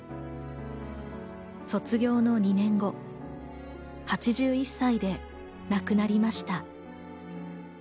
卒業の２年後、８１歳で亡くなりました。